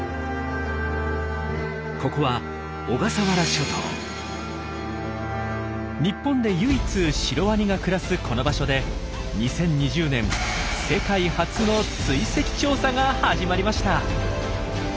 ここは日本で唯一シロワニが暮らすこの場所で２０２０年世界初の追跡調査が始まりました。